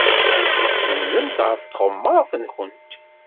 Tsenndemt ɣef tɣemmar-nwent.